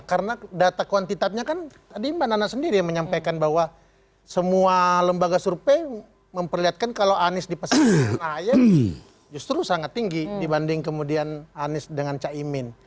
karena data kuantitatnya kan tadi mbak nana sendiri yang menyampaikan bahwa semua lembaga survei memperlihatkan kalau anies di pasir tengah ayam justru sangat tinggi dibanding kemudian anies dengan cak imin